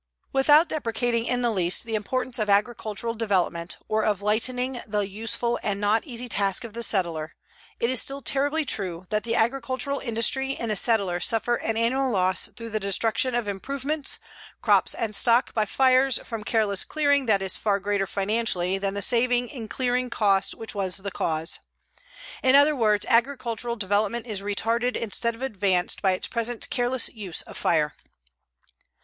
Without deprecating in the least the importance of agricultural development or of lightening the useful and not easy task of the settler, it is still terribly true that the agricultural industry and the settler suffer an annual loss through the destruction of improvements, crops and stock by fires from careless clearing that is far greater financially than the saving in clearing cost which was the cause. In other words, agricultural development is retarded instead of advanced by its present careless use of fire.